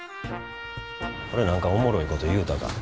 俺何かおもろいこと言うたか？